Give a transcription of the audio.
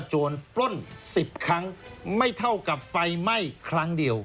โจรปล้น๑๐ครั้งไม่เท่ากับไฟไหม้ครั้งเดียว